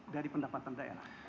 dari pendapatan daerah